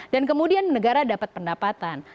kemudian negara dapat pendapatan